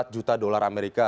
juta dolar amerika